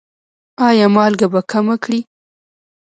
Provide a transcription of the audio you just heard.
ایا مالګه به کمه کړئ؟